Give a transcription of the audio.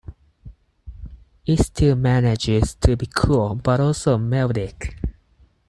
It still manages to be cool, but also melodic.